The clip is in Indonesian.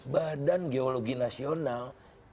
badan geologi nasional